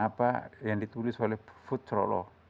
apa yang ditulis oleh futsurolo